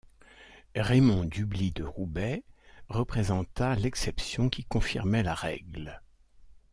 Raymond Dubly de Roubaix, représenta l'exception qui confirmait la règle.